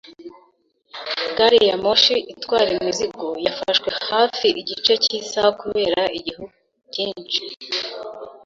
Gari ya moshi itwara imizigo yafashwe hafi igice cy'isaha kubera igihu cyinshi